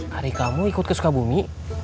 hari kamu ikut ke sukabumi